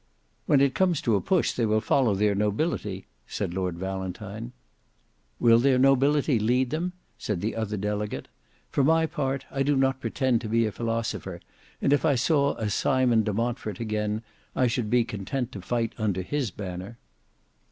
"When it comes to a push they will follow their nobility," said Lord Valentine. "Will their nobility lead them?" said the other delegate. "For my part I do not pretend to be a philosopher, and if I saw a Simon de Montfort again I should be content to fight under his banner."